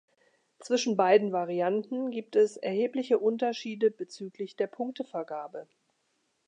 Zwischen beiden Varianten gibt es erhebliche Unterschiede bezüglich der Punktevergabe.